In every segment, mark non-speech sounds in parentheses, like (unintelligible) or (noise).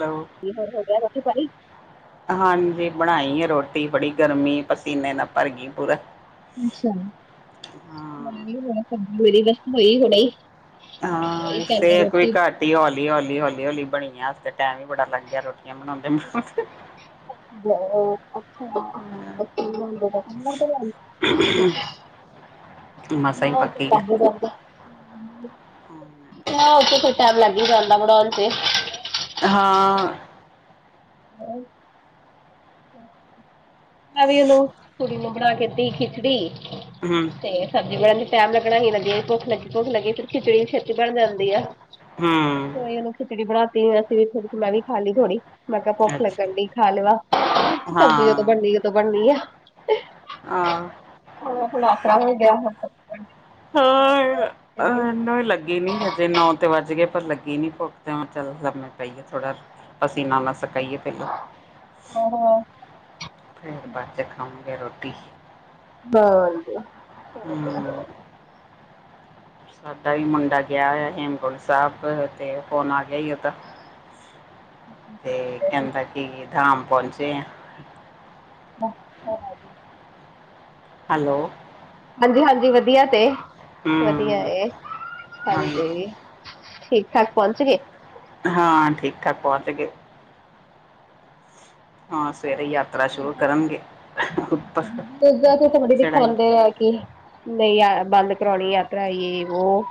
Hello, ਕੀ ਹੋਰ ਹੋ ਗਿਆ ਰੋਟੀ- ਪਾਣੀ। ਹਾਂਜੀ, ਬਣਾਈ ਹੈ ਰੋਟੀ ਬੜੀ ਗਰਮੀ ਪਸੀਨੇ ਨਾਲ ਭਰ ਗਈ ਪੂਰਾ। ਅੱਛਾ, ਹਾਂ (unintelligible) ਹਾਂ, ਈ ਇਸੇ ਸ਼ਾਮੀ ਇੱਕ ਵੀ ਘਟ ਰੋਟੀ ਹੌਲੀ-ਹੌਲੀ, ਹੌਲੀ-ਹੌਲੀ ਬਣੀ ਆ ਅੱਜ ਤੇ ਟੈਮ ਹੀ ਬੜਾ ਲੱਗ ਗਿਆ ਰੋਟੀਆਂ ਬਨਾਉਂਦੇ- ਬਨਾਉਂਦੇ। ਬਣਾਉਂਦੇ, (unintelligible) (unintelligible) ਮਸਾਂ ਹਾਂ। ਹੀ ਹੋ ਤਾਂ ਪੱਕੀ ਆ ਲਾਗੇ ਰਹਿੰਦਾ। ਹਾਂ, ਉਹ ਤੇ ਫੇਰ ਟਾਈਮ ਲੱਗ ਹੀ ਜਾਂਦਾ ਬਣਾਉਣ ਤੇ। ਹਾਂ। ਮੈਂ ਵੀ ਉਹਨੂੰ ਕੁੜੀ ਨੂੰ ਮੈ ਕੀਤੀ ਖਿੱਚੜੀ। ਹਮ। ਤੇ ਸਬਜ਼ੀ ਬਣਨ ਲਈ ਟਾਈਮ ਲੱਗਣਾ ਹੀ ਨ ਜੇ ਭੁੱਖ ਲੱਗੀ ਭੁੱਖ ਲੱਗੀ ਫਿਰ ਖਿਚੜੀ ਵੀ ਛੇਤੀ ਬਣ ਜਾਂਦੀ ਆ। ਹਮ ਫੇਰ ਉਹਨੂੰ ਖਿਚੜੀ ਬਣਾ ਤੀ, ਅਸੀਂ ਥੋੜੀ ਮੈਂ ਵੀ ਖਾ ਲਈ ਥੋੜੀ। ਮੈਂ ਕਿਹਾ ਭੁੱਖ ਅੱਛਾ ਲੱਗਣ ਡਈ ਖਾ ਲਵਾ, ਸਬਜ਼ੀ ਜਦੋਂ ਹਾਂ ਬਣਨੀ ਔਦੋਂ ਬਣਨੀ ਆ। ਹਾਂ। ਆਪ ਅਸਰਾਵੇ ਗਿਆ (unintelligible) ਹਾਂ। ਅਹਨ ਲੱ ਲੱਗੀ ਨੀ ਹਜੇ ਨੌ ਤੇ ਵੱਜ ਗਏ ਪਰ ਲੱਗੀ ਨੀ ਭੁੱਖ ਤਾਂ ਚੱਲ ਲੰਮੇ ਪਈਏ ਥੋੜਾ। ਪਸੀਨਾ ਨਾ ਸਕਾਈਏ। ਲੋ। ਫਿਰਦੇ ਬਾਅਦ ਚ' ਖਾਗੇ ਰੋਟੀ। ਬਾਲਦੋ। ਹੂ ਸਾਡਾ ਵੀ ਮੁੰਡਾ ਗਿਆ ਹੋਯਾ ਹੇਮਕੁੰਡ ਸਾਹਿਬ ਤੇ ਫੋਨ ਆ ਗਿਆ ਹੀ ਓਦਾ। ਤੇ ਕਹਿੰਦਾ ਕੀ ਧਾਮ ਮ ਪਹੁੰਚੇ ਆ। (inaudible) ਹੈਲੋ। ਹਾਂਜੀ-ਹਾਂਜੀ ਵਧੀਆ ਤੇ, ਵਧੀਆ ਹੂੰ ਏ, ਹਾਂਜੀ। ਠੀਕ ਠਾਕ ਪੌਂਚ ਗਏ? ਹਾਂ, ਠੀਕ ਠਾਕ ਪੋਚਗੇ। ਹਾਂ, ਸਵੇਰੇ ਯਾਤਰਾ ਸ਼ੁਰੂ ਕਰਨਗੇ। ਉੱਪਰ ਚੀਜਾਂ ਤੇ ਉੱਥੇ ਬੜੀ ਚੜਾਈ ਦਿਖਾਉਂਦੇ ਐ ਕਿ ਨਈ ਯਾ ਬੰਦ ਕਰਵਾਉਣੀ ਯਾਤਰਾ ਯੇ, ਵੋ।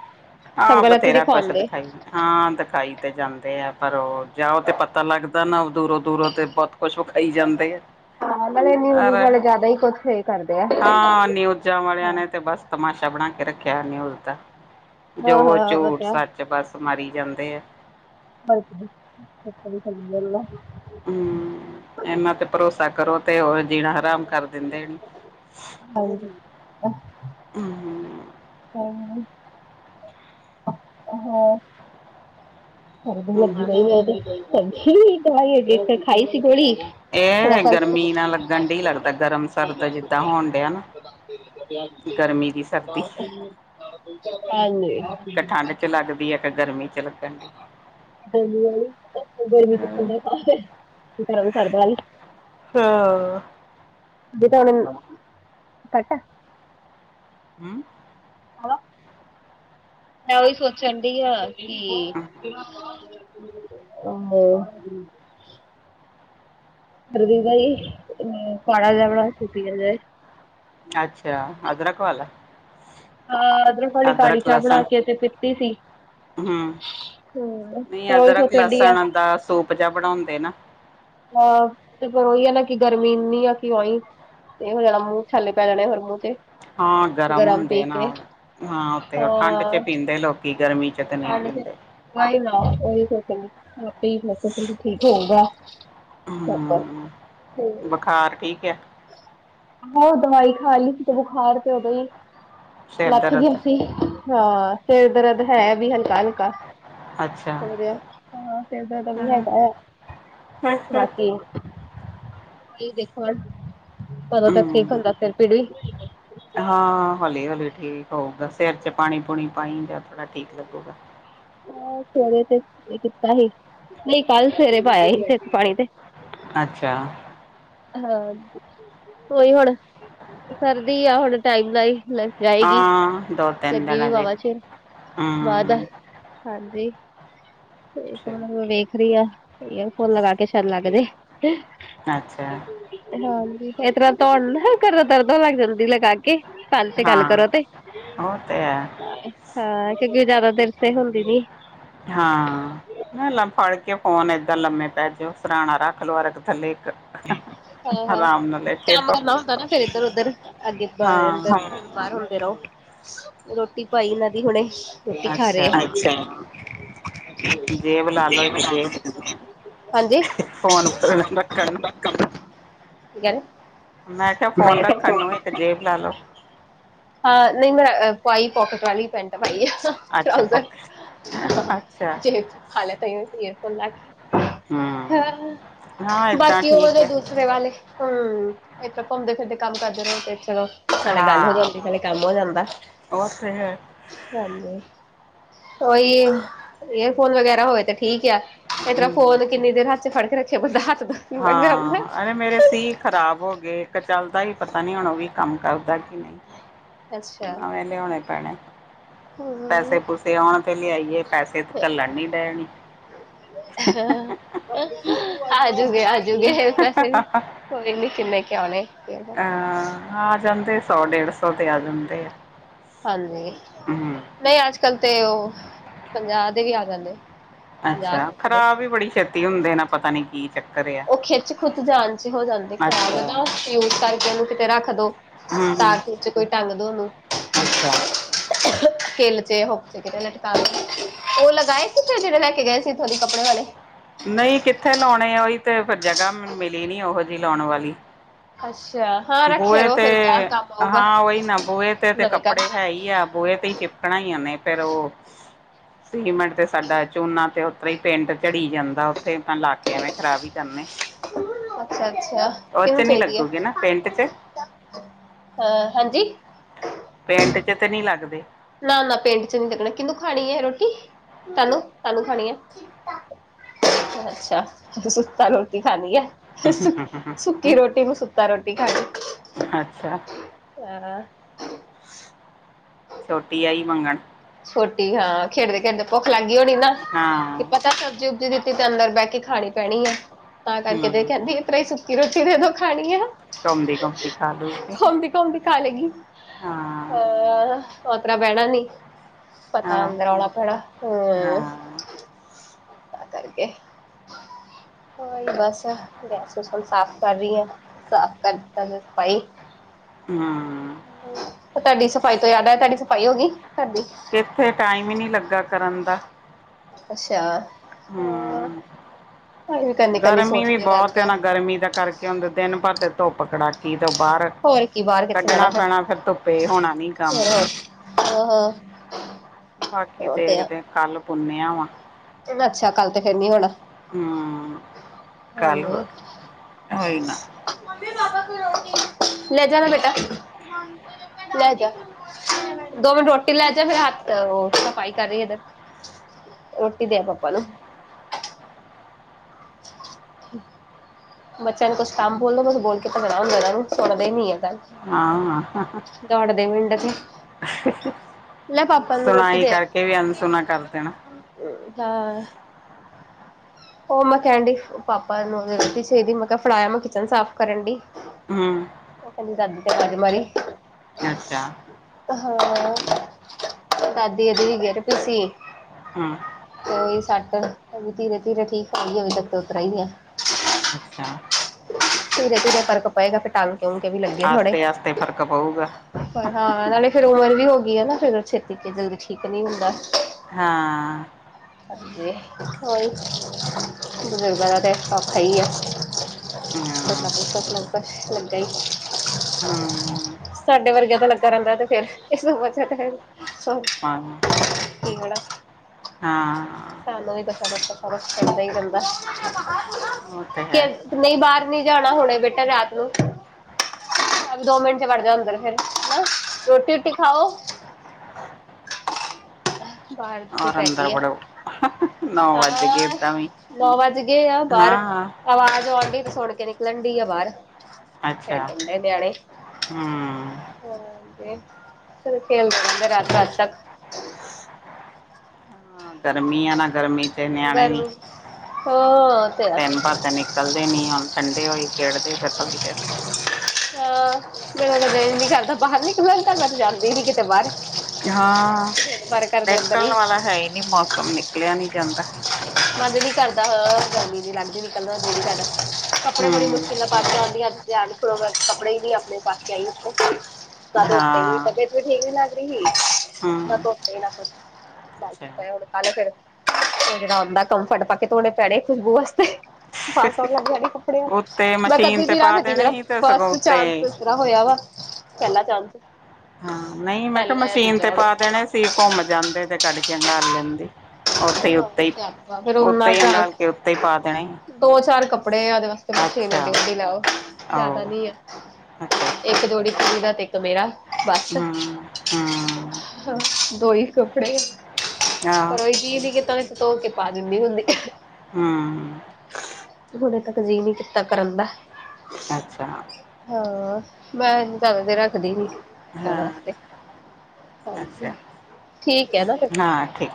ਸਭ ਹਾਂ, ਗਲਤ ਹੀ ਬਥੇਰਾ ਕੋਛ ਦਿਖਾਉਂਦੇ ਦਖਾਏ ਹਾਂ ਦਿਖਾਈ ਤੇ ਜਾਂਦੇ ਆ ਪਰ ਉਹ, ਜਾਓ ਤੇ ਪਤਾ ਲੱਗਦਾ ਨਾ, ਉਹ ਦੂਰੋਂ-ਦੂਰੋਂ ਤੇ ਬੌਤ ਕੁਛ ਵਿਖਾਈ ਜਾਂਦੇ ਐ। ਹਾਂ ਨਾਲੇ ਨੀਓਜ਼ (unintelligible) ਵਾਲੇ ਜ਼ਿਆਦਾ ਈ ਕੁੱਛ (unintelligible) ਕਰਦੇ ਐ। ਹਾਂ ਨੇ ਉਹ ਜਾ ਵਾਲੇਆਂ ਨੇ ਤੇ ਬਸ, ਤਮਾਸ਼ਾ ਬਣਾ ਕੇ ਰੱਖਿਆ ਨਿਊਜ਼ ਦਾ। ਹਾਂ ਜੋ ਉਹ ਝੂਠ ਤੇ ਹੈ ਸੱਚ ਬਸ ਮਾਰੀ ਜਾਂਦੇ ਐ। (inaudible) ਹੂੰ, ਏਹਨਾਂ ਤੇ ਭਰੋਸਾ ਕਰੋ ਤੇ ਉਹ ਜੀਣਾ ਹਰਾਮ ਕਰ ਦਿੰਦੇ ਨੇ। ਹਾਂਜੀ। ਹੂੰ, ਤਾ ਈ ਉ ਹੀ। ਹਾਂ। (unintelligible) ਲੱਗੀ ਬਸ ਰਈ ਏਦੀ, ਫੈਂਸ਼ਲੀ ਤਾ ਈ ਅਗੇ ਕੇ ਖਾਈ ਸੀ ਗੋਲੀ। ਥੋੜਾ ਏਹ ਫਰਕ ਸੀ ਗਰਮੀ ਨਾਲ ਲੱਗਣ ਡ ਲੱਗਦਾ, ਗਰਮ ਸਰਦ ਜਿੱਦਾਂ ਹੋਣ ਡਿਆ ਨਾ। (inaudible) ਹਾਂਜੀ। ਗਰਮੀ ਦੀ ਸਰਦੀ ਇੱਕ ਠੰਡ ਚ ਲੱਗਦੀ ਹੈ ਇੱਕ ਗਰਮੀ ਚ ਲੱਗਣ ਡੀ। ਗਰਮੀ ਆਈ, ਗਰਮੀ ਚ ਹਾਂ, (unintelligible) ਗ਼ਰਮ ਸਰਦ ਵਾਲੀ। ਹਾਂ। ਗੀਤਾ ਉਹਨੇ ਮ, ਕਟ ਏ? ਹੂੰ। ਮੈਂ ਉਹੀ ਸੋਚਣ ਡਈ ਆ ਕਿ ਅ ਹ। ਰੱਖ ਦੁਗਾਂ ਈ, ਹੂੰ, ਪਾੜਾ ਜਾਂ ਬੜਾ (unintelligible) ਅੱਛਾ, ਅਦਰਕ ਵਾਲਾ? ਹਾਂ, ਅਦਰਕ ਵਾਲੀ ਕਾਲੀ ਚਾਹ ਬਣਾ ਕੇ ਤੇ ਪੀਤੀ ਸੀ। ਹੂੰ, ਹੂੰ ਨੀ ਪਰ ਉਹੀ ਅਦਰਕ, ਸੋਚਣ ਡੀ ਆ ਲਸਣ ਦਾ ਸੂਪ ਜੇਆ ਬਣਾਉਂਦੇ ਨਾ। ਅ ਤੇ ਫੇਰ ਉਈ ਏ ਨਾ ਕਿ ਗਰਮੀ ਇੰਨੀ ਆ, ਕਿ ਉਹੀ ਏਹੋ ਜੇੜਾ ਮੂੰਹ ਛਾਲੇ ਪੈ ਜਾਣੇ ਫੇਰ ਮੂੰਹ ਤੇ। ਹਾਂ ਗਰਮ ਪੀ ਹੁੰਦੇ ਨਾ, ਕੇ ਹਾਂ ਉਥੇ ਉਹ ਠੰਡ ਚ ਪੀਂਦੇ, ਲੋਕੀ ਗਰਮੀ ਚ। ਤੇ ਨਹੀਂ ਠੰਡ ਚ, ਪੀਂਦੇ ਉਈ ਨਾ, ਉਹੀ ਸੋਚਣ ਡੀ। (inaudible) ਠੀਕ ਹੋਊਗਾ, ਪੋਪਰ। ਹੂੰ। ਬੁਖਾਰ ਠੀਕ ਹੈ? ਹੋਰ ਦਵਾਈ ਖਾ ਲਈ ਸੀ, ਤੇ ਬੁਖਾਰ ਤੇ ਉਦੋਂ ਈ ਸਿਰ ਲੱਥ ਗਿਆ ਦਰਦ ਸੀ, ਹਾਂ ਸਿਰ ਦਰਦ ਹੈ ਵੀ ਹਲਕਾ-ਹਲਕਾ। ਅੱਛਾ ਹੋ ਰੇਆ ਏ, ਹਾਂ ਸਿਰ ਦਰਦ ਦਾ ਵੀ ਹੈਗਾ ਆ। ਵਾਕੇ ਈ। ਓਹੀ ਦੇਖੋ ਹੁਣ, ਕਦੋਂ ਤਕ ਠੀਕ ਹਮ ਹੁੰਦਾ, ਸਿਰ ਪੀੜ ਵੀ? ਹਾਂ ਹੌਲੀ-ਹੌਲੀ ਠੀਕ ਹੋਊਗਾ, ਸਿਰ ਚ ਪਾਣੀ ਪੂਣੀ ਪਾਈ ਜਾ, ਥੋੜਾ ਠੀਕ ਲੱਗੂਗਾ। ਆਹ ਸਵੇਰੇ ਤੇ ਇਹ ਕੀਤਾ ਸੀ, ਨਹੀਂ ਕੱਲ ਸਵੇਰੇ ਪਾਇਆ ਸੀ ਸਿਰ ਚ ਪਾਣੀ ਤੇ। ਅੱਛਾ। ਹਾਂਜੀ, ਉਈ ਹੁਣ, ਸਰਦੀ ਆ ਹੁਣ ਟਾਈਮ ਨਾਈ ਲ ਹਾਂ, ਦਰ ਲੱਗੀ ਵੀ ਵਾਹਵਾ ਚਿਰ ਯਾਦ ਆ ਹਾਂਜੀ ਤੇ ਅੱਛਾ ਕੋਣ ਮੈਂ ਵੇਖ ਰਹੀ ਹਾਂ ਈਅਰਫੋਨ ਲਗਾ ਕੇ ਸ਼ੈੱਦ ਲੱਗਦੇ ਅੱਛਾ ਹਾਂਜੀ ਇਸ ਤਰ੍ਹਾਂ ਧੋਣ ਦਾ ਦਰਦ ਲੱਗ ਜਾਂਦੀ ਲਗਾ ਕੇ ਫੋਨ ਚ ਗੱਲ ਹਾਂ ਕਰੋ ਤੇ ਉਹ ਤੇ ਹੈ ਹਾਂ ਕਿਉਂਕਿ ਜਿਆਦਾ ਦੇਰ ਸ ਹੁੰਦੀ ਨੀ ਹਾਂ ਫੜ ਕੇ ਫੋਨ ਏਦਾਂ ਲੰਮੇ ਪੈ ਜਾਓ ਸਰਾਣਾ ਰੱਖ ਅਰਕ ਥੱਲੇ ਹਾਂ ਹਾਂ ਆਰਾਮ ਨਾਲ ਲੇਟੇ ਕੰਮ ਰਹੋ ਕਰਨਾ ਹੁੰਦਾ ਨਾ ਫੇਰ ਇੱਧਰ ਉਧਰ ਅੱਗੇ ਹਾਂ ਬਾਹਰ ਫਿਰ ਉਹ ਰੋਟੀ ਪਾਈ ਇਹਨਾਂ ਦੀ ਹੁਣੇ ਰੋਟੀ ਖਾ ਰਹੇ ਅੱਛਾ ਆ ਜੇਬ ਲਾ ਲੋ ਇੱਕ ਜੇਬ ਹਾਂਜੀ ਕੀ ਫੋਨ ਪਰ (inaudible) ਮੈਂ ਕਿਹਾ ਫੋਨ ਰੱਖਣ ਨੂੰ ਇੱਕ ਜੇਬ ਲਾ ਲੋ ਹਾਂ ਨਈ ਓ ਪਾਈ ਮੈਂ ਪੋਕੇਟ ਵਾਲੀ ਪੈਂਟ ਪਾਈ ਆ ਅੱਛਾ ਪ ਚੱਲਦਾ ਚੱਲਦਾ ਅੱਛਾ ਜੇਬ ਹਾਲੇ ਤ ਅਸੀਂ ਏਅਰਫੋਨ ਲਾ ਕੇ ਹਮ ਹ ਹਾਂ ਏਦਾਂ ਬਾਕੀ ਉਹ ਠੀਕ ਤੇ ਹੈ ਦੂ ਵਾਲੇ ਹੂੰ ਇਥਰ ਘੁੰਮਦੇ ਫਿਰਦੇ ਕੰਮ ਕਰਦੇ ਰਹੇੋ ਤੇ ਇਥੋਂ ਹਾਂ ਕੰਮ ਹੋ ਜਾਂਦਾ ਉਹ ਤੇ ਹੈ ਹਾਂਜੀ ਉਹੀ ਏਅਰਫੋਨ ਵਗੈਰਾ ਹੋਵੇ ਤਾਂ ਠੀਕ ਆ ਇਹ ਤਰਾਂ ਹਮ ਫੋਨ ਕਿੰਨੀ ਦੇਰ ਹੱਥ ਚ ਫੜ ਕੇ ਰੱਖਿਆ ਬੰਦਾ ਹੱਥ ਦਾ ਹਾਂ ਅ ਮੇਰੇ ਸੀ ਖ਼ਰਾਬ ਹੋ ਗਏ ਇੱਕ ਚੱਲਦਾ ਹੀ ਪਤਾ ਨੀ ਹੁਣ ਉਹ ਵੀ ਕੰਮ ਕਰਦਾ ਕੀ ਨਹੀਂ ਅੱਛਾ ਨਵੇਂ ਲਿਆਣੇ ਪੈਣੇ ਪੈਸੇ ਹੂੰ ਪੂਸੇ ਆਉਣ ਤੇ ਲਿਆਈਏ ਪੈਸੇ ਘੱਲਣ ਨੀ ਡੇ ਹਾਂ ਆਜੂਗੇ ਆਜੂਗੇ ਪੈਸੇ ਵੀ ਕੋਈ ਨੀ ਕਿੰਨੇ ਕ ਆਉਣੇ ਅਹ ਆ ਜਾਂਦੇ ਸੌ ਡੇਢ ਸੌ ਤੇ ਆ ਜਾਂਦੇ ਆ ਹਾਂਜੀ ਹਮ ਨਹੀਂ ਅੱਜ ਕੱਲ ਤੇ ਉਹ ਪੰਜਾਹ ਦੇ ਵੀ ਆ ਜਾਂਦੇ ਪੰਜਾਹ ਅੱਛਾ ਸੱਠ ਦੇ ਖ਼ਰਾਬ ਵੀ ਬੜੀ ਛੇਤੀ ਹੁੰਦੇ ਨੇ ਪਤਾ ਨੀ ਕੀ ਚੱਕਰ ਆ ਉਹ ਖਿੱਚ ਖੁੱਚ ਜਾਣ ਚ ਹੋ ਜਾਂਦੇ ਖ਼ਰਾਬ ਅੱਛਾ ਨਾ ਯੂਜ ਕਰਕੇ ਉਹਨੂੰ ਕਿਤੇ ਰੱਖ ਦੋ ਹਮ ਹਮ ਤਾਰ ਤੂਰ ਚ ਕੋਈ ਟੰਗ ਦਿਓ ਓਨੂੰ ਅੱਛਾ ਕਿਲ ਚ ਹੋ ਕਿਤੇ ਲਟਕਾ ਕੇ ਉਹ ਲਗਾਏ ਸੀ ਜਿਹੜੇ ਲੈ ਕੇ ਗਏ ਸੀ ਮਰੋੜੇ ਕੱਪੜੇ ਵਾਲੇ ਨਹੀਂ ਕਿੱਥੇ ਲਾਉਣੇ ਉਹੀ ਤੇ ਫਿਰ ਜਗ੍ਹਾ ਮਿਲੀ ਨੀ ਉਹ ਜਿਹੀ ਲਾਉਣ ਵਾਲੀ ਅੱਛਾ ਹਾਂ ਰੱਖੇ ਬੂਹੇ ਰਹੋ ਤੇ ਫਿਰ ਗਾਹ ਕੰਮ ਆਊਗਾ ਹਾਂ ਉਹੀ ਨਾ ਬੂਹੇ ਤੇ ਤੇ ਨਵੇਂ ਘਰ ਕੱਪੜੇ ਹੈ ਈ ਆ ਬੂਹੇ ਤੇ ਹੀ (unintelligible) ਫਿਰ ਉਹ ਸੀਮੈਂਟ ਤੇ ਸਾਡਾ ਝੋਨਾ ਤੇ ਉੱਤ ਹੀ ਪਿੰਡ ਚੜੀ ਜਾਂਦਾ ਉੱਥੇ ਆਪ ਲਾਕੇ ਐਵੇਂ ਖਰਾਬ ਹੀ ਕਰਨੇ (inaudible) ਅੱਛਾ ਅੱਛਾ ਉਹ ਚ ਕਿਹਨੂੰ ਨੀ ਚਾਹੀਦੀ ਏ ਲੱਗੂਗੇ ਨਾ ਪੇਂਟ ਚ ਅਹ ਹਾਂਜੀ ਪਿੰਡ ਚ ਤੇ ਨਹੀਂ ਲੱਗਦੇ ਨਾ ਨਾ ਪਿੰਡ ਚ ਨੀ ਲੱਗਣਾ ਕਿਹਨੂੰ ਖਾਣੀ ਹੈ ਰੋਟੀ ਹੈਲੋ ਹੈਲੋ ਹੈਲੋ ਅ ਅੱਛਾ ਸੁੱਤਾ ਰੋਟੀ ਖਾਲੀ ਐ ਸੁ ਸੁੱਕੀ ਰੋਟੀ ਮ ਸੁਤਾ ਰੋਟੀ ਖਾਣੀ ਅੱਛਾ ਹਾਂ ਰੋਟੀ ਆਈ ਮੰਗਣ ਛੋਟੀ ਹਾਂ ਖੇਡਦੇ ਖੇਡਦੇ ਭੁੱਖ ਲੱਗ ਗਈ ਹੋਣੀ ਨਾ ਕੀ ਹਾਂ ਪਤਾ ਸਜ ਜਿਦੇ ਤੇ ਤਾਨੂੰ ਲਗਦਾ ਕੇ ਖਾਣੀ ਪੈਣੀ ਆ ਤਾਂ ਕਰਕੇ ਦੇ ਹਮ ਕਹਿੰਦੀ ਆ ਤ੍ਹਾਂ ਹੀ ਸੁੱਕੀ ਰੋਟੀ ਦੇਦੋਂ ਖਾਣੀ ਆ ਕੰਮਦੀ ਕਮਦੀ ਖਾ ਲੂਗਏ ਮਦੀ ਖਾ ਲਗੀ ਅਹ ਓ ਤਰਾ ਬਹਿਣਾ ਨੀ। ਪਤਾ ਹਾਂ ਅੰਦਰ ਆਉਣਾ ਪੈਣਾ ਹਾਂ ਹਮ। ਤਾਂ ਕਰਕੇ ਹੋਹੀ ਬਸ ਗੈਸ ਗੂਸ ਹੁਣ ਸਾਫ਼ ਕਰ ਰਹੀ ਹੈ। ਸਾਫ਼ ਕਰ ਦਿੱਤਾ ਭਾਈ ਹਮ। ਤੁਹਾਡੀ ਸਫ਼ਾਈ ਤੋਂ ਯਾਦ ਹੈ ਤੁਹਾਡੀ ਸਫ਼ਾਈ ਹੋ ਗਈ ਤੁਹਾਡੀ ਕਿੱਥੇ ਟਾਈਮ ਹੀ ਨਹੀਂ ਲੱਗਾ ਕਰਨ ਦਾ। ਅੱਛਾ। ਹਮ। ਹਾਂ ਅਸੀਂ ਵੀ ਕਰਨੀ ਕਰਨੀ ਗਰਮੀ ਵੀ ਸੋਚਦੇ ਬਹੁਤ ਹੈ ਰਹਿੰਦੇ ਨਾ ਗਰਮੀ ਦਾ ਕਰਕੇ ਹੁੰਦੇ ਦਿਨ ਭਰ ਤੇ ਧੁੱਪ ਕੜਾਕੀ ਤੋਂ ਬਾਹਰ ਹੋਰ ਕੀ ਬਾਹਰ ਕਿੱਥੇ ਕੱਢਣਾ ਜਾਣਾ ਫਿਰ ਪੈਣਾ ਫੇਿਰ ਧੁੱਪੇ ਹੋਣਾ ਨੀ ਕੰਮ। ਹਾਂ (unintelligible) ਬਾਕੀ ਉਹ ਤੇ ਆ ਦੇਖਦੇ ਕੱਲ ਪੁੰਨਿਆ ਵਾਂ। ਅੱਛਾ। ਕੱਲ ਤੇ ਫੇਰ ਨੀ ਹੋਣਾ। ਹਮ ਹਾਂਜੀ ਕੱਲਵ ਹੋਈ ਨਾ। (inaudible) ਲੈ ਜਾ ਨਾ ਬੇਟਾ ਲੈ ਜਾ। ਦੋ ਮਿੰਟ ਰੋਟੀ ਲੈ ਜਾ ਫੇਰ ਹੱਥ ਉਹ ਸਫਾਈ ਕਰ ਰਹੀ ਇਧਰ। ਰੋਟੀ ਦੇ ਆ ਪਾਪਾ ਨੂੰ। ਠੀਕ। ਬੱਚਿਆਂ ਨੂੰ ਕੁਛ ਕੰੰਭ ਬੋਲੋ ਬ ਬੋਲ ਕੇ ਤਾਂ ਮੇ ਹੁੰਦਾ ਇਹ ਨੂੰ ਸੁਣਦਾ ਹੀ ਨੀ ਹੈ ਗੱਲ। ਹਾਂ। ਦੌੜਦੇ ਮਿੰਡ ਤੀ ਰੋਟੀ ਸੁਣਾਈ ਦੇ ਕਰਕੇ ਵੀ ਅਨਸੁਣਾ ਕਰ ਦੇਣਾ। ਹਾਂ। ਉਹ ਮੈਂ ਕਹਣ ਡ ਪਾਪਾ ਨੂੰ ਗਤੀ ਚਾਹੀਦੀ ਮੈਂ ਕਿਹਾ ਫੜਾਇਆ ਮੈਂ ਕਿਚਨ ਸਾਫ਼ ਕਰਨ ਡ ਹਮ ਉਹ ਕਹਿੰਦੀ ਦਾਦੀ ਤੇ ਤਜੇ ਮਾਰੀ ਅੱਛਾ। (unintelligible) ਹਮ। ਤੇ ਉਹੀ ਸੱਟ ਧੀਰੇ- ਧੀਰੇ ਠੀਕ ਹੋਈ ਅ ਤੱਕ ਉਰਾਈਦੀ ਆ। ਅੱਛਾ। ਧੀਰੇ- ਧੀਰੇ ਫ਼ਰਕ ਪਏਗਾ ਫਿਰ ਟੰਕੇ ਟੁਕੇ ਵੀ ਲੱਗੇ ਥੋੜੇ ਆਸਤੇ ਆਸਤੇ ਫ਼ਰਕ ਪਊਗਾ ਹਾਂ, ਨਾਲੇ ਫੇਰ ਉਮਰ ਵੀ ਹੋ ਗਈ ਆ ਨਾ ਫੇਰ ਛੇਤੀ ਜਲਦੀ ਠੀਕ ਨਹੀਂ ਹੁੰਦਾ। ਹਾ। ਹਾਂਜੀ ਉਹੀ ਬਜ਼ੁਰਗਾਂ ਦਾ ਤੇ ਔਖਾ ਹੀ ਆ। ਹਾਂ ਬੜਾ ਕੁਛ (unintelligible) ਲੱਗਾ ਹੀ। ਹਮਮਮ। ਸਾਡੇ ਵਰਗਿਆਂ ਤੇ ਲੱਗਾ ਰਹਿੰਦਾ ਤੇ ਫੇਰ ਇਹ (unintelligible) ਹਾਂ। (unintelligible) ਹਾਂ। ਸਾਨੂੰ ਵੀ ਕੁਛ ਨਾ ਕੁਛ ਫਰਕ ਪੈਂਦਾ ਹੀ ਪੈਂਦਾ। ਉਹ ਤੇ ਹੈ। ਨਈ ਬਾਹਰ ਨੀ ਜਾਣਾ ਹੁਣੇ ਬੇਟਾ ਰਾਤ ਨੂੰ। ਦੋ ਮਿੰਟ ਚ ਵੜ ਜਾ ਅੁੰਦਰ ਫੇਰ, ਰੋਟੀ- ਰੁਟੀ ਖਾਓ। ਬਾਹਰ (unintelligible) ਔਰ ਪੈ ਅੰਦਰ ਗਈ ਆ ਵੜੋ ਨੌ ਵੱਜ ਗਏ ਹੋਰ ਓਦਾਂ ਵੀ ਨੌ ਵੱਜ ਗਏ ਆ ਬਾਹਰ ਹਾਂ ਆਵਾਜ਼ ਆਉਣ ਡ ਦੀ ਤੇ ਸੁਣ ਕੇ ਨਿਕਲਣ ਡਈ ਆ ਬਾਹਰ। ਅੱਛਾ ਖੇਡਣ ਡਏ ਨਿਆਣੇ ਹਮ ਹਾਂ (unintelligible) ਹਾਂ ਗਰਮੀ ਆ ਨਾ, ਗਰਮੀ ਚ ਗਰਮੀ ਹੋਰ ਦਿੰਨ ਭਰ ਤੇ ਨਿਕਲਦੇ ਨੀ ਹੁਣ ਠੰਡੇ ਹੋਏ ਖੇਡਦੇ ਫੇਰ ਥੋੜੀ ਦੇਰ। ਹਾਂ ਜਦੋਂ ਦਿਲ ਨੀ ਕਰਦਾ ਬਾਹਰ ਨਿਕਲਣ ਤਾਂ ਮੈ ਜਾਂਦੀ ਨੀ ਕਿਤੇ ਬਾਹਰ। ਹਾਂ, ਪਰ ਕਰਦੇ ਅੰਦਰ ਹੀ ਨਿਕਲਣ ਵਾਲਾ ਹੈ ਹੀ ਨੀ ਮੌਸਮ ਨਿਕਲਿਆ ਨੀ ਜਾਂਦਾ। ਮਣ ਨੀ ਕਰਦਾ ਗਰਮੀ ਦੀ ਲੱਗ ਹੀ ਨਿਕਲਣਾ ਜਿਹੜੀ ਕਪੜੇ ਬੜੀ ਹਮ ਮੁਸ਼ਕਿਲ ਪਾਸ ਆਉਂਦੀਆਂ ਧਿਆਨ ਖੋ ਕੱਪੜੇ ਨੀ ਆਪਣੇ ਪਾ ਕੇ ਆਈ ਧੋਤੇ ਵੀ ਨੀ ਹਾਂ ਮਸ਼ੀਨ ਵੀ ਲਾਗ ਰਹੀ ਸੀ, ਨਾ ਹਮ ਧੋਤੇ ਨਾ ਕੁੱਛ ਬਾਲਟੀ ਚ ਅੱਛਾ ਪਏ ਹੁਣ ਕੱਲ ਫੇਰ ਉਹ ਜਿਹੜਾ ਆਉਂਦਾ ਕੰਫਰਟ ਪਾ ਕੇ ਧੋਣੇ ਪੈਣੇ ਖੁਸ਼ਬੂ ਵਾਸਤੇ। ਪਾਸਉਣ ਲੱਗ ਜਾਣੇ ਕੱਪੜਿਆਂ ਉੱਤੇ ਤੇ ਮੈਂ ਮਸ਼ੀਨ ਕਦੀ ਤੇ ਨੀ ਪਾ ਰੱਖਦੀ ਦੇਣੇ ਮੇਰਾ ਸੀ ਤੇ ਸਗੋਂ ਫਸਟ ਚਾਂਸ ਉੱਤੇ ਮੇਰਾ ਹੋਇਆ ਵਾ ਪਹਿਲਾ ਚਾਂਸ। ਹਾਂ ਨਹੀਂ ਮੈਂ ਕਿਹਾ ਪਹਿਲਾ ਜਾਂ ਮਸ਼ੀਨ ਦੂਜਾ ਤੇ ਹੁਣ ਪਾ ਦੇਣੇ ਸੀ, ਘੁੰਮ ਜਾਂਦੇ ਤੇ ਕੱਢ ਕੇ ਹਗਾਲ ਲੈਂਦੀ। ਉੱਥੇ ਹੀ ਉੱਤੇ ਹੀ ਸਿਆਪਾ ਫਿਰ ਉੱਤੇ ਹੀ ਅੰਗਾਲ ਕੇ ਉੱਤੇ ਹੀ ਪਾ ਦੇਣੇ। ਦੋ-ਚਾਰ ਕੱਪੜੇ ਆ ਉਹਦੇ ਵਾਸਤੇ ਮਸ਼ੀਨ ਅੱਛਾ ਐੱਡੀ ਵੱਡੀ ਲੈਓ ਜ਼ਿਆਦਾ ਆਹੋ ਨੀ ਆ। ਅੱਛਾ (unintelligible) ਹਾਂ- ਹਾਂ। ਹਾਂ, ਦੋ ਹੀ ਕੱਪੜੇ ਆਹ ਪਰ ਯਕੀਨ ਨੀ। ਕਿਦਾ ਦੇ ਧੋ ਕੇ ਪਾ ਦਿੰਦੀ ਹੁੰਦੀ। ਹਮ। ਹੁਣੇੇ ਤੱਕ ਜੀਅ ਨਹੀਂ ਕੀਤਾ ਕਰਨ ਦਾ ਅੱਛਾ। ਹੋਰ, ਮੈਂ ਏਨੀ ਜਾਂਦਾ ਦੇਰ ਰੱਖਦੀ ਨੀ। ਹਾਂ ਵਾਸਤੇ ਹਾਂਜੀ ਅੱਛਾ ਠੀਕ ਐ ਨਾ ਫੇਰ। ਹਾਂ ਠੀਕ